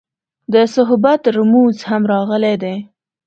د صحبت رموز هم راغلي دي.